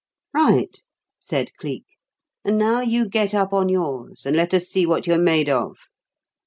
"Right," said Cleek. "And now you get up on yours and let us see what you're made of."